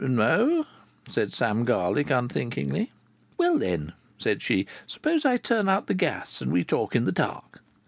"No," said Sam Garlick, unthinkingly. "Well, then," said she, "suppose I turn out the gas and we talk in the dark?"